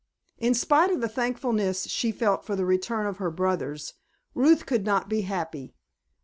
In spite of the thankfulness she felt for the return of her brothers Ruth could not be happy.